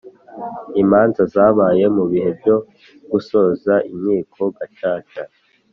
Imanza zabaye mu bihe byo gusoza Inkiko Gacaca